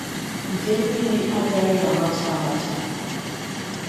Nke mmiri agaghị amacha amacha?